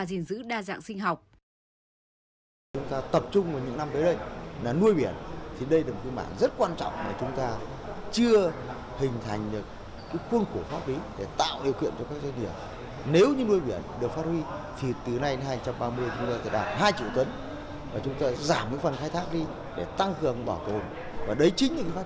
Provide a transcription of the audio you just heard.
gìn giữ đa dạng sinh học